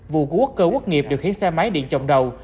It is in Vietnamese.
vụ của quốc cơ quốc nghiệp điều khiến xe máy điện trọng đầu